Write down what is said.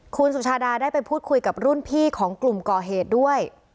คุณสุชาดาได้ไปพูดคุยกับรุ่นพี่ของกลุ่มก่อเหตุด้วย